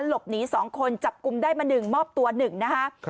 หลบหนี๒คนจับกลุ่มได้มา๑มอบตัว๑นะคะ